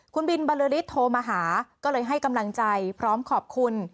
คุณบินบรรลือฤทธิ์โทรมาหาก็เลยให้กำลังใจพร้อมขอบคุณ